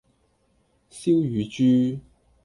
燒乳豬